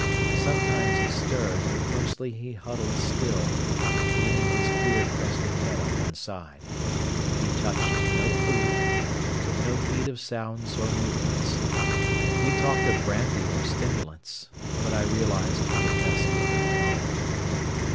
Sometimes he stirred, but mostly he huddled still, leaning his queer crested head on one side. He touched no food, and took no heed of sounds or movements. We talked of brandy or stimulants. But I realised we had best leave him alone.